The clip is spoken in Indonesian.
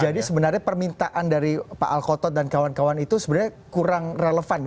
jadi sebenarnya permintaan dari pak al kotod dan kawan kawan itu sebenarnya kurang relevan